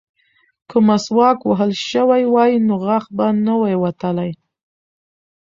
که مسواک وهل شوی وای نو غاښ به نه ووتلی.